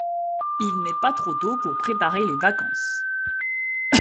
Il n’est pas trop tôt pour préparer les vacances.